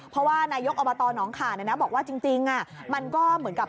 เพราะว่านายกอบตหนองขาบอกว่าจริงมันก็เหมือนกับ